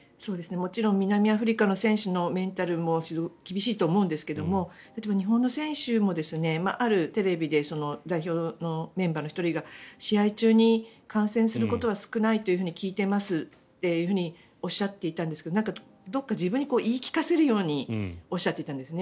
もちろん南アフリカの選手のメンタルも厳しいと思うんですが日本の選手も、あるテレビで代表のメンバーの１人が試合中に感染することは少ないというふうに聞いていますというふうにおっしゃっていたんですがどこか自分に言い聞かせるようにおっしゃっていたんですね。